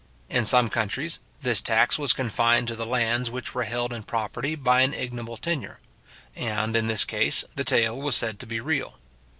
In some countries, this tax was confined to the lands which were held in property by an ignoble tenure; and, in this case, the taille was said to be real.